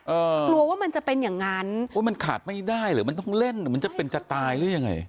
กลัวว่ามันจะเป็นอย่างนั้นโอ้ยมันขาดไม่ได้หรือมันต้องเล่นหรือมันจะเป็นจะตายหรือยังไง